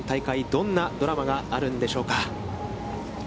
どんなドラマがあるんでしょうか。